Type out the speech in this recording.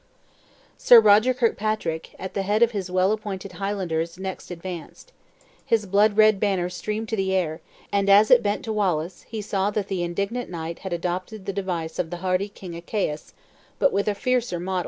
Sir Roger Kirkpatrick, at the head of his well appointed Highlanders next advanced. His blood red banner streamed to the air, and as it bent to Wallace he saw that the indignant knight had adopted the device of the hardy King Archaius, but with a fiercer motto "Touch, and I pierce!"